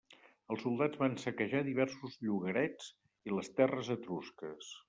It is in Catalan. Els soldats van saquejar diversos llogarets i les terres etrusques.